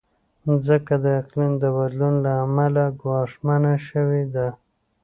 مځکه د اقلیم د بدلون له امله ګواښمنه شوې ده.